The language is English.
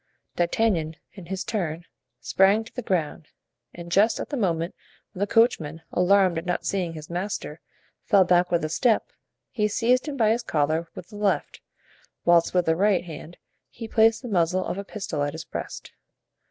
D'Artagnan, in his turn, sprang to the ground, and just at the moment when the coachman, alarmed at not seeing his master, fell back a step, he seized him by his collar with the left, whilst with the right hand he placed the muzzle of a pistol at his breast.